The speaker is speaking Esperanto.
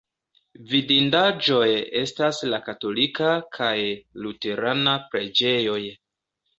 Vidindaĵoj estas la katolika kaj la luterana preĝejoj.